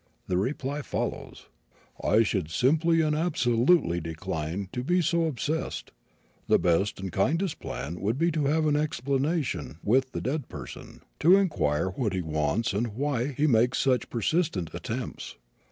The reply follows: "I should simply and absolutely decline to be so obsessed. The best and kindest plan would be to have an explanation with the dead person, to enquire what he wants and why he makes such persistent attempts.